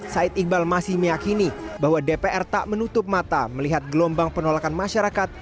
said iqbal masih meyakini bahwa dpr tak menutup mata melihat gelombang penolakan masyarakat